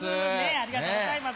ありがとうございます。